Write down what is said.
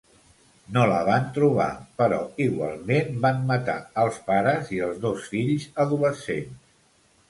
No la van trobar, però igualment van matar els pares i els dos fills adolescents.